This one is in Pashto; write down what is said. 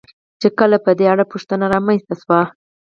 چې کله په دې اړه پوښتنې را منځته شوې.